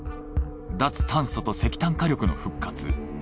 脱炭素と石炭火力の復活。